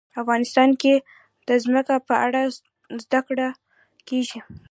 افغانستان کې د ځمکه په اړه زده کړه کېږي.